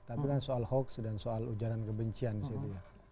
tapi kan soal hoax dan soal ujaran kebencian di situ ya